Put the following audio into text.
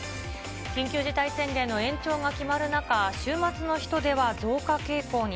緊急事態宣言の延長が決まる中、週末の人出は増加傾向に。